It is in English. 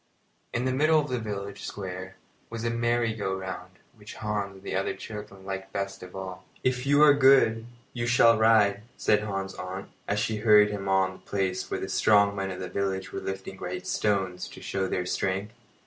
In the middle of the village square was a merry go round, which Hans and the other children liked best of all. "If you are good, you shall ride," said Hans's aunt, as she hurried him on to the place where the strong men of the village were lifting great stones to show their strength.